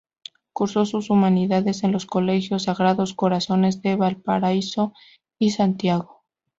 Cursó sus humanidades en los colegios Sagrados Corazones de Valparaíso y Santiago.